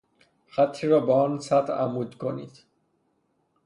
خطی را بآن سطح عمود کنید.